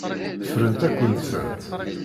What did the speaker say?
Ffrent-akent-tent.